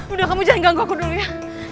udah kamu jangan ganggu aku dulu ya